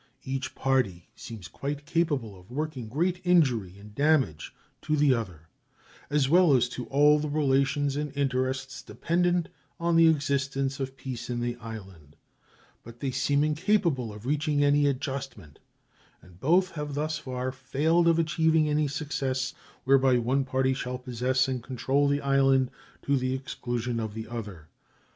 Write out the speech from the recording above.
Each party seems quite capable of working great injury and damage to the other, as well as to all the relations and interests dependent on the existence of peace in the island; but they seem incapable of reaching any adjustment, and both have thus far failed of achieving any success whereby one party shall possess and control the island to the exclusion of the other.